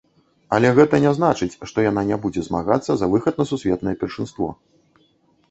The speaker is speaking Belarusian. Але гэта не значыць, што яна не будзе змагацца за выхад на сусветнае першынство.